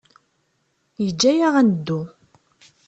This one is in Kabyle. Yeǧǧa-aɣ ad neddu.